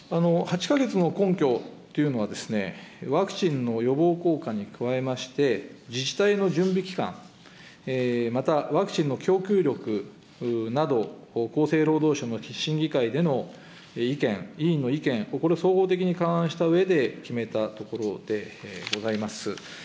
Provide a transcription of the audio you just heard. ８か月の根拠というのは、ワクチンの予防効果に加えまして、自治体の準備期間、またワクチンの供給力など、厚生労働省の審議会での意見、委員の意見、これ総合的に勘案したうえで決めたところでございます。